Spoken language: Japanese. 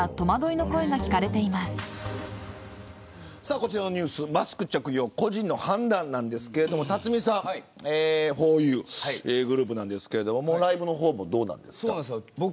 こちらのニュースマスク着用、個人の判断ですが辰巳さん、ふぉゆというグループですけどライブはどうですか。